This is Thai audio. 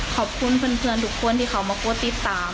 ขอบคุณเพื่อนทุกคนที่เขามาโพสต์ติดตาม